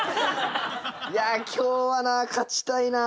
いや今日はな勝ちたいな。